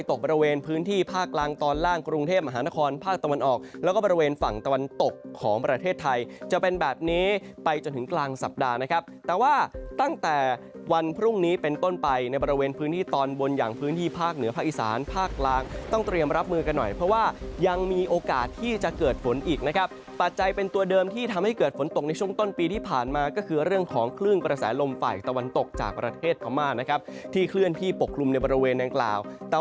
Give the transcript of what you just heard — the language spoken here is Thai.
ในต้นประเทศประเทศประเทศประเทศประเทศประเทศประเทศประเทศประเทศประเทศประเทศประเทศประเทศประเทศประเทศประเทศประเทศประเทศประเทศประเทศประเทศประเทศประเทศประเทศประเทศประเทศประเทศประเทศประเทศประเทศประเทศประเทศประเทศประเทศประเทศประเทศ